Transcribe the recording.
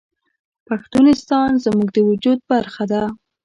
پښتونستان زموږ د وجود برخه ده